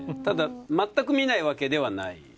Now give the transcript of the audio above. ただまったく観ないわけではない。